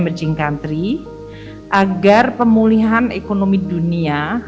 sebagai negara yang berkembang agar pemulihan ekonomi dunia